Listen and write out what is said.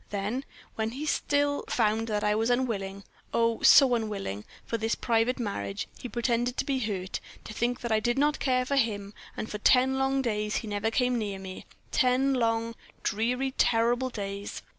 Then, when he still found that I was unwilling oh! so unwilling for this private marriage, he pretended to be hurt, to think that I did not care for him; and for ten long days he never came near me ten long, dreary, terrible days.